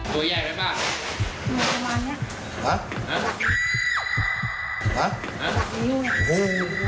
ตัวใหญ่ไหมบ้าง